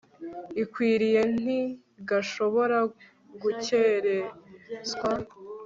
ikwiriye nti gashobora gukerenswa